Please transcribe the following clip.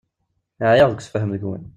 Ɛyiɣ deg usefhem deg-wen.